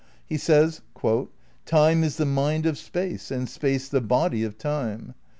He says "Time is the mind of Space and Space the body of time."*